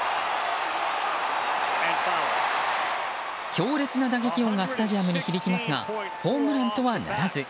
強烈な打撃音がスタジアムに響きますがホームランとはならず。